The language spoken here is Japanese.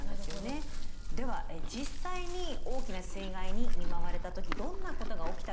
では実際に大きな水害に見舞われた時どんなことが起きたのか。